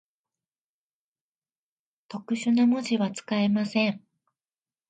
特殊な文字は、使えません。